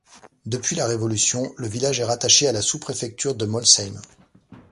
Depuis la Révolution, le village est rattaché à la sous-préfecture de Molsheim.